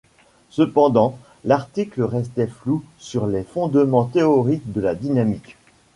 Cependant, l'article restait flou sur les fondements théoriques de la dynamique.